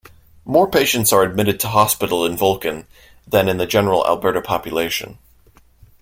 More patients are admitted to hospital in Vulcan than in the general Alberta population.